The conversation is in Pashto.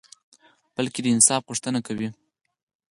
بلکي د انصاف غوښته کوي